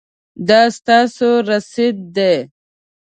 دا ستاسو رسید دی